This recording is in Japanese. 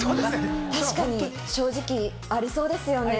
確かに正直、ありそうですよね。